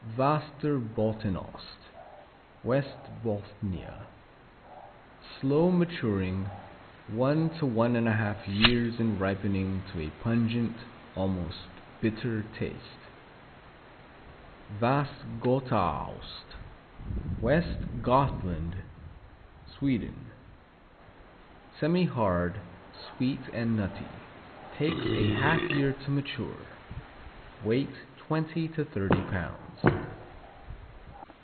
Västerbottenost West Bothnia Slow maturing. One to one and a half years in ripening to a pungent, almost bitter taste. Västgötaost West Gothland, Sweden Semihard; sweet and nutty. Takes a half year to mature. Weight twenty to thirty pounds.